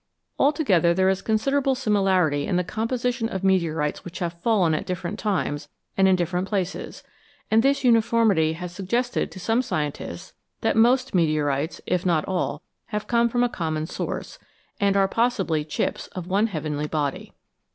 Altogether there is considerable similarity in the composition of meteorites which have fallen at different times and in different places, and this uniformity has suggested to some scien tists that most meteorites, if not all, have come from a common source, and are possibly chips of one heavenly body.